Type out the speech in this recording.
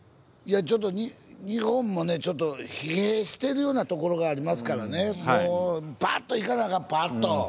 いやちょっと日本もねちょっと疲弊してるようなところがありますからねもうバッといかなあかんバッと。